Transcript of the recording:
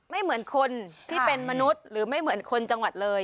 ไม่เหมือนคนที่เป็นมนุษย์หรือไม่เหมือนคนจังหวัดเลย